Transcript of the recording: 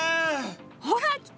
ほら来た！